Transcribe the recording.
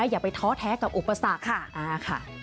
อย่าไปท้อแท้กับอุปสรรคค่ะ